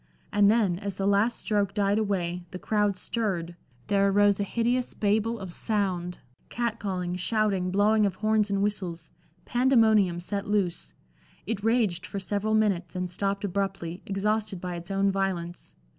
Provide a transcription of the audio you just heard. And then, as the last stroke died away, the crowd stirred, there arose a hideous Babel of sound cat calling, shouting, blowing of horns and whistles; pandemonium set loose. It raged for several minutes, and stopped abruptly, exhausted by its own violence.